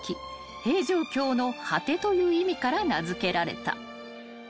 ［平城京の果てという意味から名付けられた］